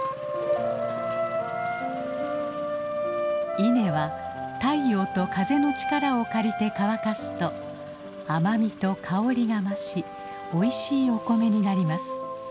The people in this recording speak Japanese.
稲は太陽と風の力を借りて乾かすと甘みと香りが増しおいしいお米になります。